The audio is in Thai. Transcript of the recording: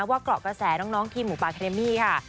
ว่ากรอกประแสน้องทีมหมูปาแคนมี่ค่ะ